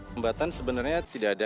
hambatan sebenarnya tidak ada